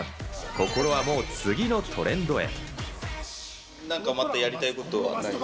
心はもう次のトレンドへ。